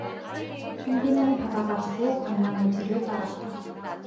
선비는 받아 가지고 간난의 뒤를 따랐다.